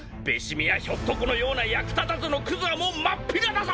見やひょっとこのような役立たずのクズはもうまっぴらだぞ！